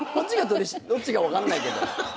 どっちか分かんないけど。